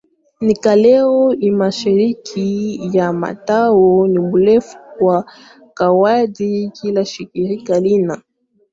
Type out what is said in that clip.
nk Leo hii mashirika ya watawa ni maelfu Kwa kawaida kila shirika lina